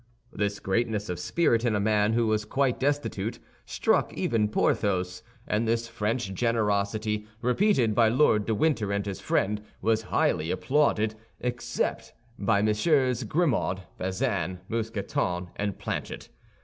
This greatness of spirit in a man who was quite destitute struck even Porthos; and this French generosity, repeated by Lord de Winter and his friend, was highly applauded, except by MM. Grimaud, Bazin, Mousqueton and Planchet.